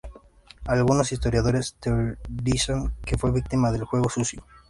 Algunos historiadores teorizan que fue víctima de juego sucio.